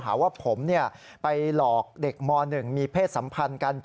หาว่าผมไปหลอกเด็กม๑มีเพศสัมพันธ์กัน